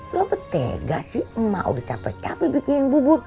lu betega sih mau dicapai capai bikinin bubur